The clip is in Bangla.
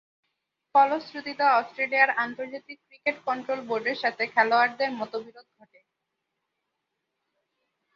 ফলশ্রুতিতে অস্ট্রেলিয়ার আন্তর্জাতিক ক্রিকেট কন্ট্রোল বোর্ডের সাথে খেলোয়াড়দের মতবিরোধ ঘটে।